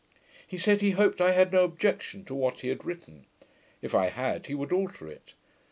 He said, he hoped I had no objection to what he had written; if I had, he would alter it.